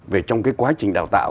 về trong cái quá trình đào tạo